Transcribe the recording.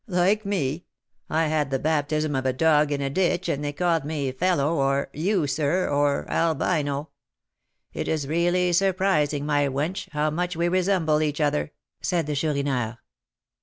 "Like me. I had the baptism of a dog in a ditch, and they called me 'Fellow,' or 'You, sir,' or 'Albino.' It is really surprising, my wench, how much we resemble each other!" said the Chourineur.